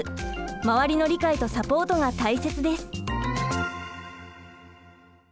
周りの理解とサポートが大切です。